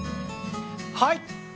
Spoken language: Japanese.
はい。